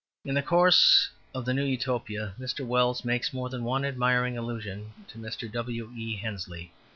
In the course of "The New Utopia" Mr. Wells makes more than one admiring allusion to Mr. W. E. Henley.